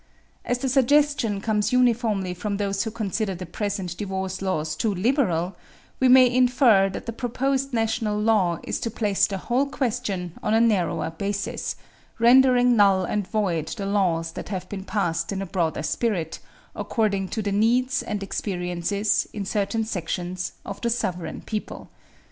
As the suggestion comes uniformly from those who consider the present divorce laws too liberal, we may infer that the proposed national law is to place the whole question on a narrower basis, rendering null and void the laws that have been passed in a broader spirit, according to the needs and experiences, in certain sections, of the sovereign people.